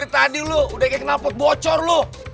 tadi lu udah kayak kenal pot bocor lu